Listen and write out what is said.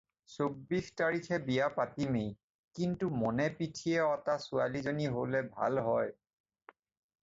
চৌবিশ তাৰিখে বিয়া পাতিমেই, কিন্তু মনেপিঠিয়ে অটা ছোৱালীজনী হ'লে ভাল হয়।